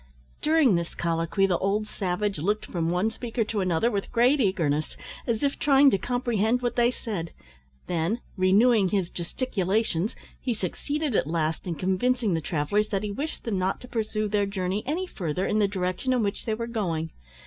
During this colloquy the old savage looked from one speaker to another with great eagerness, as if trying to comprehend what they said, then, renewing his gesticulations, he succeeded at last in convincing the travellers that he wished them not to pursue their journey any further, in the direction in which they were going.